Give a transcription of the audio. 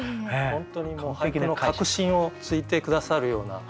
本当に俳句の核心をついて下さるような。